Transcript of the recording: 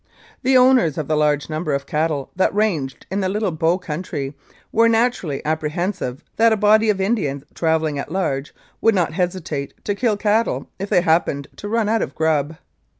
The owners of the large number of cattle that ranged in the Little Bow country were naturally apprehensive that a body of Indians travelling at large would not hesitate to kill cattle if they happened to run out of grub.